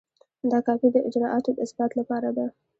دا کاپي د اجرااتو د اثبات لپاره ده.